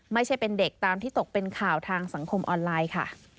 ไม่ใช่เป็นเด็กตามที่ตกเป็นข่าวทางสังคมออนไลน์ค่ะ